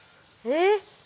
えっ。